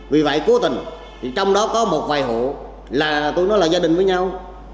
vì vậy cố tình thì trong đó có một vài hộ là tôi nói là gia đình với nhau